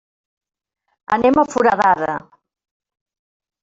Anem a Foradada.